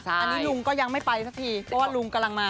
อันนี้ลุงก็ยังไม่ไปสักทีเพราะว่าลุงกำลังมา